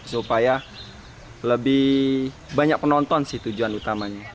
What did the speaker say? supaya lebih banyak penonton sih tujuan utamanya